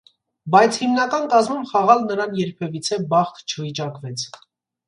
Բայց հիմնական կազմում խաղալ նրան երբևիցե բախտ չվիճակվեց։